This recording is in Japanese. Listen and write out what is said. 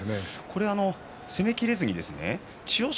攻めきれずに千代翔